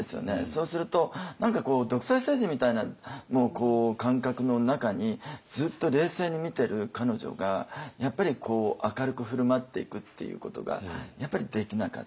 そうすると何かこう独裁政治みたいな感覚の中にずっと冷静に見てる彼女がやっぱり明るく振る舞っていくっていうことができなかった。